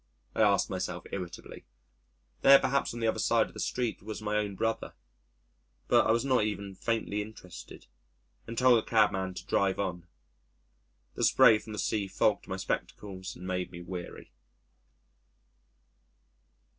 I asked myself irritably. There perhaps on the other side of the street was my own brother. But I was not even faintly interested and told the cabman to drive on. The spray from the sea fogged my spectacles and made me weary.